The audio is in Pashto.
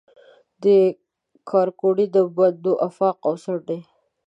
د کارکوړي، دوبندۍ آفاق او څنډي